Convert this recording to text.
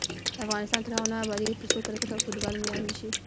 افغانستان تر هغو نه ابادیږي، ترڅو کرکټ او فوټبال معیاري نشي.